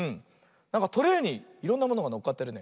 なんかトレーにいろんなものがのっかってるね。